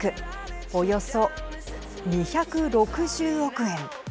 およそ２６０億円。